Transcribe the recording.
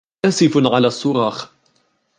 آسف على الصّراخ.